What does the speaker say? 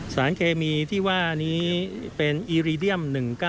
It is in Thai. สารเคมีที่ว่านี้เป็นอีรีเดียม๑๙